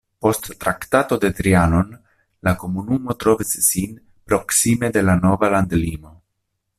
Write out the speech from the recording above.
Post Traktato de Trianon la komunumo trovis sin proksime de la nova landlimo.